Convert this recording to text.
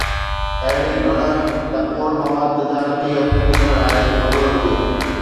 اهڙي گھڻ-دخول مواد تجارتي ايپليڪيشنن لاء گهربل هجي